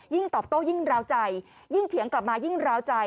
ตอบโต้ยิ่งราวใจยิ่งเถียงกลับมายิ่งราวใจ